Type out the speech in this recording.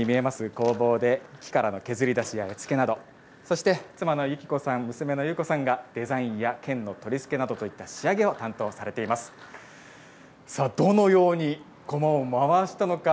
工房で木からの削り出しや絵付けなどそして、妻の由貴子さん娘の優子さんがデザインや剣の取り付けなどといった仕上げを担当されています。